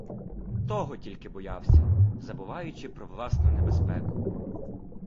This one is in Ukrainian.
Того тільки боявся, забуваючи про власну небезпеку.